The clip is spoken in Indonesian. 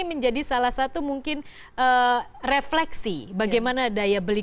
menjadi salah satu mungkin refleksi bagaimana daya beli